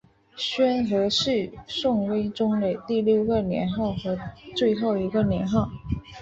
宣和是宋徽宗的第六个年号和最后一个年号。